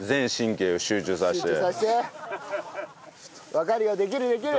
わかるよできるよいける。